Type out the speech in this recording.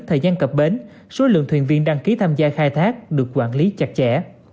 thời gian cập bến số lượng thuyền viên đăng ký tham gia khai thác được quản lý chặt chẽ